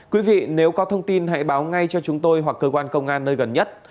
quý vị nếu có thông tin hãy báo ngay cho chúng tôi hoặc cơ quan công an nơi gần nhất